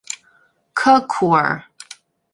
Kokure.